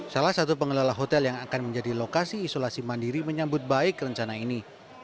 salah satu pengelola hotel yang akan menjadi lokasi isolasi mandiri menyambut baik rencana ini